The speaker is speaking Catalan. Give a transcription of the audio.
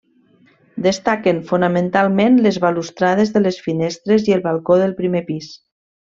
Destaquen fonamentalment les balustrades de les finestres i el balcó del primer pis.